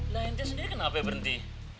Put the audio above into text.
nah ente sendiri kenapa berhenti